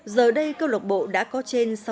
giờ đây câu lạc bộ đã có trên